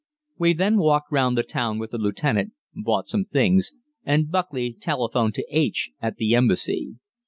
We then walked round the town with the lieutenant, bought some things, and Buckley telephoned to H. at the Embassy.